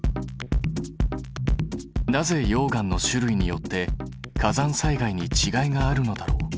なぜ溶岩の種類によって火山災害にちがいがあるのだろう？